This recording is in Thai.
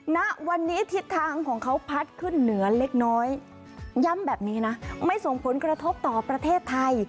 ณวันนี้ทิศทางของเขาพัดขึ้นเหนือเล็กน้อยย้ำแบบนี้นะไม่ส่งผลกระทบต่อประเทศไทย